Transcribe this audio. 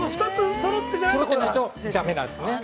◆そろってないとだめなんですね。